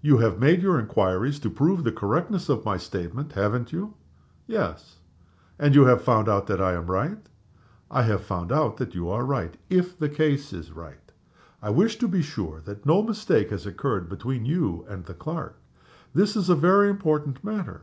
"You have made your inquiries to prove the correctness of my statement haven't you?" "Yes." "And you have found out that I am right?" "I have found out that you are right if the case is right. I wish to be sure that no mistake has occurred between you and the clerk. This is a very important matter.